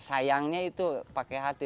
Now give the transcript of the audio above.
sayangnya itu pakai hati